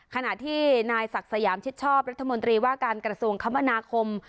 ขณะที่นายศักดิ์สยามชิดชอบรัฐมนตรีว่าการกระทรวงคมนาคม